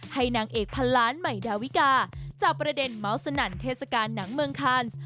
ให้หนังเอกพันล้านไม่ดาวิกาจากประเด็นเมิ้ลสนันเทศกาลหนังเมืองคันซ์